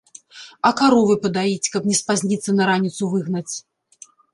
А каровы падаіць, каб не спазніцца на раніцу выгнаць?